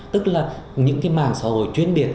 tức là những cái mạng xã hội chuyên biệt